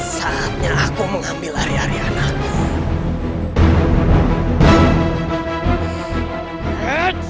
saatnya aku mengambil harian aku